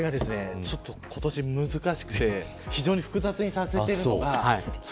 それが今年は難しくて非常に複雑にさせているのが。